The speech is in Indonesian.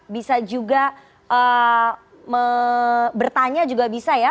bisa juga bertanya juga bisa ya